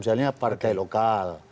misalnya partai lokal